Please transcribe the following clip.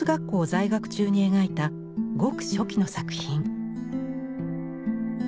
在学中に描いたごく初期の作品。